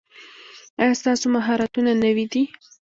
ایا ستاسو مهارتونه نوي دي؟